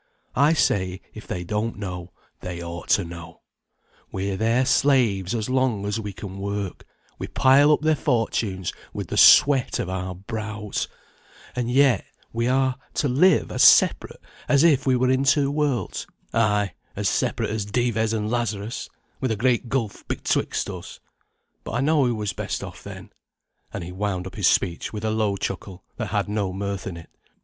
I say, if they don't know, they ought to know. We're their slaves as long as we can work; we pile up their fortunes with the sweat of our brows; and yet we are to live as separate as if we were in two worlds; ay, as separate as Dives and Lazarus, with a great gulf betwixt us: but I know who was best off then," and he wound up his speech with a low chuckle that had no mirth in it.